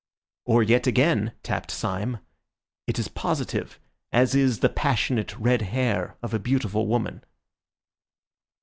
"Or yet again," tapped Syme, "it is positive, as is the passionate red hair of a beautiful woman."